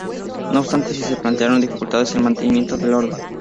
No obstante, sí se plantearon dificultades en el mantenimiento del orden.